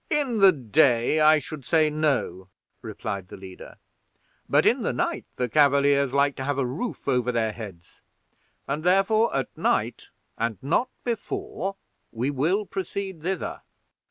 "In the day I should say no," replied the leader; "but in the night the Cavaliers like to have a roof over their heads; and, therefore, at night, and not before, will we proceed thither."